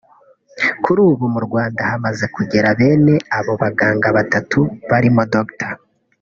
Kuri ubu mu Rwanda hamaze kugera bene abo baganga batatu barimo Dr